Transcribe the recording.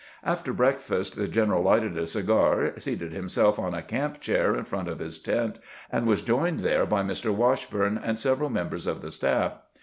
After breakfast the general lighted a cigar, seated himself on a camp chair in front of his tent, and was joined there by Mr. "Washburne and several members of the staff.